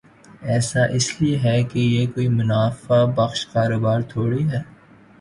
ایسا اس لئے ہے کہ یہ کوئی منافع بخش کاروبار تھوڑی ہے۔